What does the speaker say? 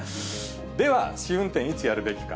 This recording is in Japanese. では、試運転、いつやるべきか。